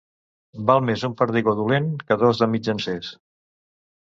Val més un perdigó dolent que dos de mitjancers.